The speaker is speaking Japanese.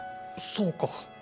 そうか。